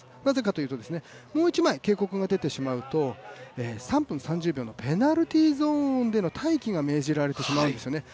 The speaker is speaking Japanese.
なぜかというともう一枚警告が出てしまうと３分３０秒のペナルティーゾーンでの待機が命じられてしまうんですよね。